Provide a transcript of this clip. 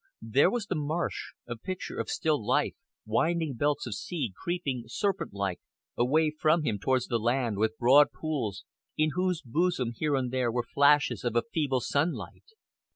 There was the marsh a picture of still life winding belts of sea creeping, serpent like, away from him towards the land, with broad pools, in whose bosom, here and there, were flashes of a feeble sunlight.